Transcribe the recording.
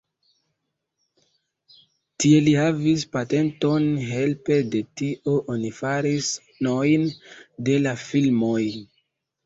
Tie li havis patenton, helpe de tio oni faris sonojn de la filmoj.